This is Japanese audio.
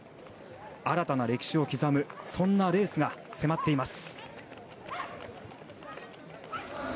新たな歴史を刻むそんなレースが迫っています。